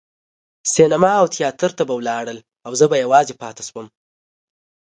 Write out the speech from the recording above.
سینما او یا تیاتر ته به لاړل او زه به یوازې پاتې شوم.